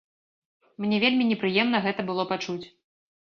Мне вельмі непрыемна гэта было пачуць.